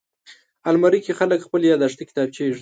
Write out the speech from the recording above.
الماري کې خلک خپلې یاداښتې کتابچې ایږدي